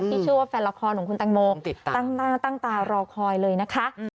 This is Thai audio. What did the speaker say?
ที่ชื่อว่าแฟนละครของคุณตังโมตั้งตารอคอยเลยนะคะ